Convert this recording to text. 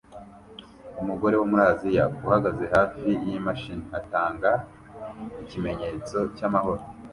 Umugore wo muri Aziya uhagaze hafi yimashini atanga ikimenyetso cyamahoro